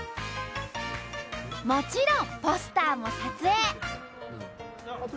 もちろんポスターも撮影！